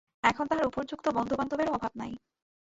এখন তাহার উপযুক্ত বন্ধুবান্ধবেরও অভাব নাই।